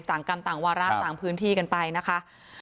กรรมต่างวาระต่างพื้นที่กันไปนะคะ